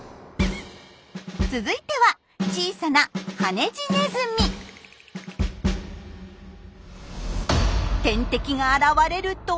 続いては小さな天敵が現れると。